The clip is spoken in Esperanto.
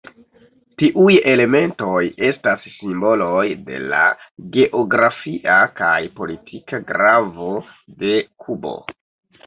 Tiuj elementoj estas simboloj de la geografia kaj politika gravo de Kubo.